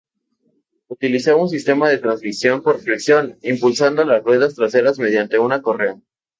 Utilizaba un sistema de transmisión por fricción, impulsando las ruedas traseras mediante una correa.